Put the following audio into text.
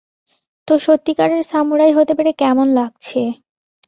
তো সত্যিকারের সামুরাই হতে পেরে কেমন লাগছে?